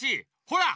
ほら！